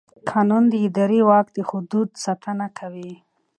قانون د اداري واک د حدودو ساتنه کوي.